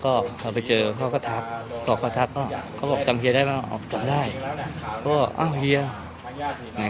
ก็เขาไปเจอเขาก็ทักเขาก็ทักอ้าวเขาบอกจำเฮียได้ไหมอ้าวจำได้เขาบอกอ้าวเฮียไหน